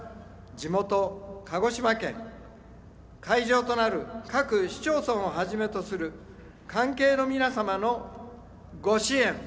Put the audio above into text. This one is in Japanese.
地元鹿児島県、会場となる各市町村をはじめとする関係の皆様の御支援